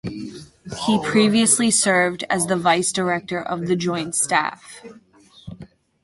He previously served as the vice director of the Joint Staff.